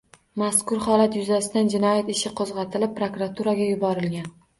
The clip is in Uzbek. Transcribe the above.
Mazkur holat yuzasidan jinoyat ishi qo‘zg‘atilib, prokuraturaga yuborilgan